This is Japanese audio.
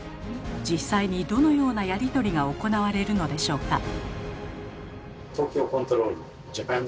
実際にどのようなやり取りが行われるのでしょうか？